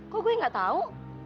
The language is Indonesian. kok gue gak tahu